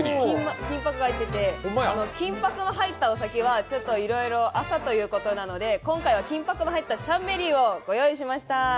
金箔が入ったお酒はちょっといろいろ、朝ということなので今回は金箔の入ったシャンメリーをご用意しました。